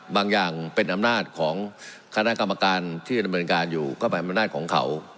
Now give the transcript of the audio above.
บางอย่างเป็นอำนาจของคณะกรรมการที่ดำเนินการอยู่ก็เป็นอำนาจของเขา